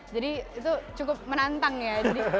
jadi itu cukup menantang ya